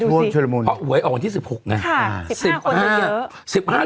เวลาออกกว่าที่๑๖ไง๑๕คนเยอะ